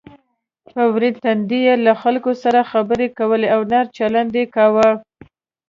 په ورین تندي یې له خلکو سره خبرې کولې او نرم چلند یې کاوه.